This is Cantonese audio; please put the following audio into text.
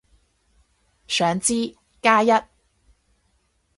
想知，加一